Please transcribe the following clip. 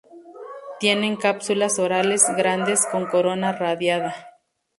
Tienen cápsulas orales grandes con corona radiada.